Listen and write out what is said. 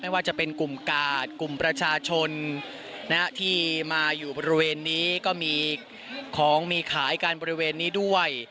ว่าจะเป็นกลุ่มกาดกลุ่มประชาชนที่มาอยู่บริเวณนี้ก็มีของมีขายกันบริเวณนี้ด้วย